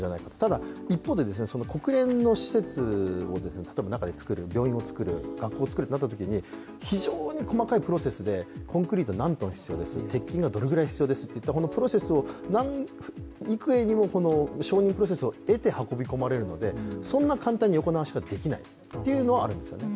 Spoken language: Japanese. ただ、一方で、国連の施設を中で作る病院を作る学校をつくるとなったときに、非常に細かいプロセスで、コンクリートが何ｔ必要です、鉄筋がどれくらい必要ですとか、幾重にも承認プロセスを経て運び込まれるので、そんな簡単に横流しできないというのがあるんですよね。